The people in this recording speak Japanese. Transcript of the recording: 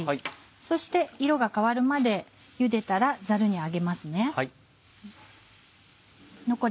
そして色が変わるまでゆでたらザルに揚げますね。